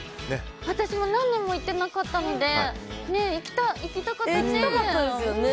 私も何年も行ってなかったので行きたかったね。